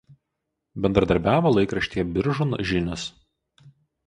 Bendradarbiavo laikraštyje „Biržų žinios“.